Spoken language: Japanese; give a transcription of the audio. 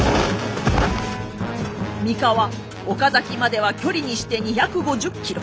三河岡崎までは距離にして２５０ｋｍ。